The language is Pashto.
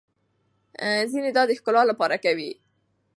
ځينې دا د ښکلا لپاره کوي.